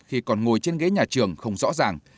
khi còn ngồi trên ghế nhà trường không rõ ràng